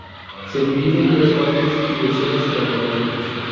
Se divide en tres partes y escenas cronológicas.